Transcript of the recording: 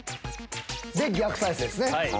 で逆再生ですね。